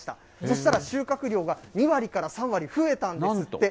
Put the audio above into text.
そうしたら収穫量が２割から３割増えたんですって。